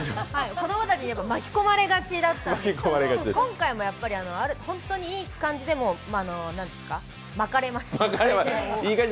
子供たちが巻き込まれがちだったんですけど今回も本当にいい感じで、巻かれました。